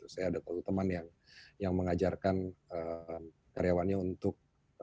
saya ada satu teman yang mengajarkan karyawannya untuk